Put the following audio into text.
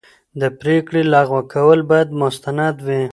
د پرېکړې لغوه کول باید مستند وي.